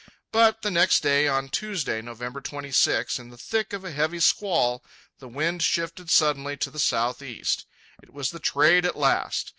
But the next day, on Tuesday, November 26, in the thick of a heavy squall, the wind shifted suddenly to the southeast. It was the trade at last.